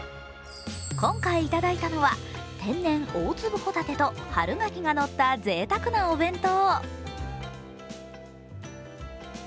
今回いただいたのは天然大粒ほたてと春牡蠣がのったぜいたくなお弁当。